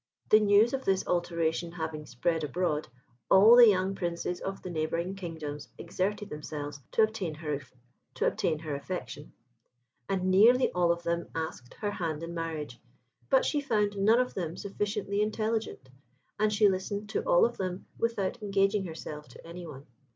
The news of this alteration having spread abroad, all the young Princes of the neighbouring kingdoms exerted themselves to obtain her affection, and nearly all of them asked her hand in marriage; but she found none of them sufficiently intelligent, and she listened to all of them without engaging herself to any one.